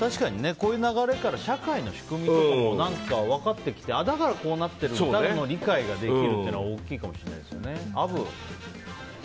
こういう流れから社会の仕組みについても分かってきてだからこうなってるんだっていう理解ができるのは大きいかもしれないですね。